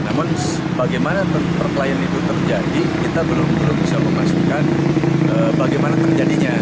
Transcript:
namun bagaimana perkelahian itu terjadi kita belum bisa memastikan bagaimana terjadinya